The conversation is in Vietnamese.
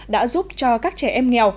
đã giúp cho các trẻ em nghèo